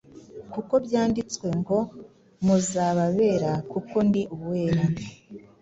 kuko byanditswe ngo ‘muzaba abera kuko ndi uwera.’”